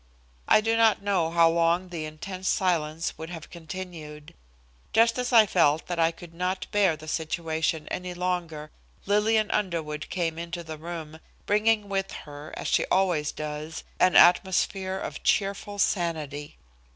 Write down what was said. I do not know how long the intense silence would have continued. Just as I felt that I could not bear the situation any longer, Lillian Underwood came into the room, bringing with her, as she always does, an atmosphere of cheerful sanity.